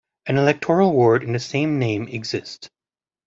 An electoral ward in the same name exists.